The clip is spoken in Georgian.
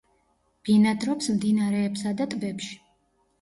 ბინადრობს მდინარეებსა და ტბებში.